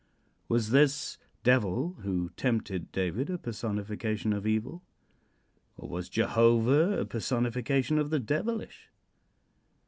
Was this Devil who tempted David a personification of evil, or was Jehovah a personification of the devilish?